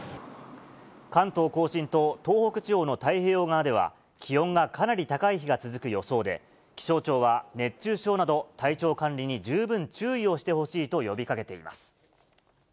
関東甲信と東北地方の太平洋側では、気温がかなり高い日が続く予想で、気象庁は熱中症など体調管理に十分注意をしてほしいと呼びかけています。